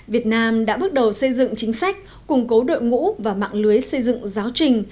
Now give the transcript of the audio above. việt nam đã bước đầu xây dựng chính sách củng cố đội ngũ và mạng lưới xây dựng giáo trình